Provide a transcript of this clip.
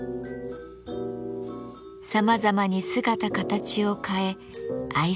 さまざまに姿形を変え愛される抹茶。